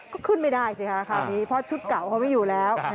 ก็ขึ้นไม่ได้สิค่ะคราวนี้เพราะชุดเก่าเขาไม่อยู่แล้ว